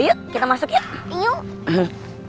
yuk kita masuk yuk